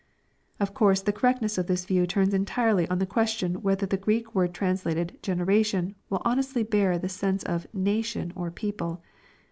Of course the correctness of this view turns entirely on the question whether the G reek word translated " generation," will honestly bear the sense of '* nation," or people."